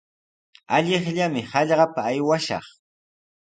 Allaqllami hallqapa aywashaq.